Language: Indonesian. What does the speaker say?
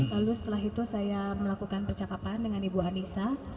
lalu setelah itu saya melakukan percakapan dengan ibu anissa